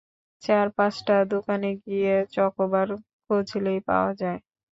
চার-পাঁচটা দোকানে গিয়ে চকোবার খুঁজলেই পাওয়া যায়।